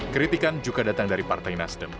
kritikan juga datang dari partai nasdem